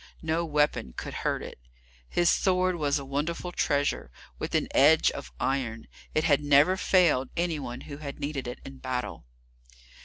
No weapon could hurt it. His sword was a wonderful treasure, with an edge of iron; it had never failed any one who had needed it in battle.